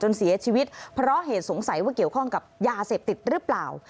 เสียชีวิตเพราะเหตุสงสัยว่าเกี่ยวข้องกับยาเสพติดหรือเปล่า